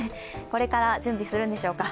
これから準備するんでしょうか。